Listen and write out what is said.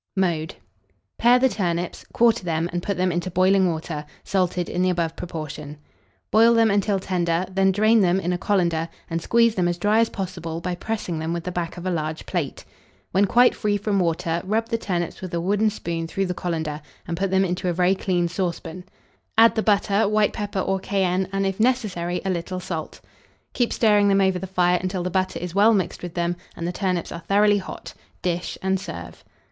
Mode. Pare the turnips, quarter them, and put them into boiling water, salted in the above proportion; boil them until tender; then drain them in a colander, and squeeze them as dry as possible by pressing them with the back of a large plate. When quite free from water, rub the turnips with a wooden spoon through the colander, and put them into a very clean saucepan; add the butter, white pepper, or cayenne, and, if necessary, a little salt. Keep stirring them over the fire until the butter is well mixed with them, and the turnips are thoroughly hot; dish, and serve.